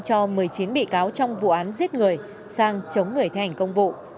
cho một mươi chín bị cáo trong vụ án giết người sang chống người thi hành công vụ